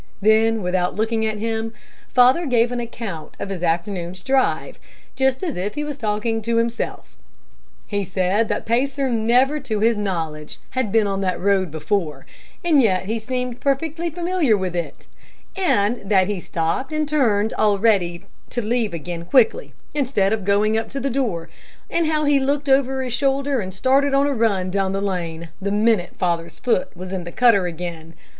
Then, without looking at him, father gave an account of his afternoon's drive, just as if he was talking to himself. He said that Pacer never to his knowledge had been on that road before, and yet he seemed perfectly familiar with it, and that he stopped and turned already to leave again quickly, instead of going up to the door, and how he looked over his shoulder and started on a run down the lane, the minute father's foot was in the cutter again.